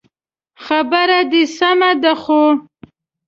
خبره دي سمه ده خو